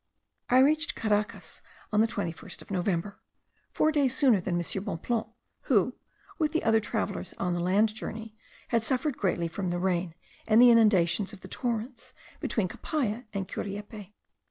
I reached Caracas on the 21st of November, four days sooner than M. Bonpland, who, with the other travellers on the land journey, had suffered greatly from the rain and the inundations of the torrents, between Capaya and Curiepe.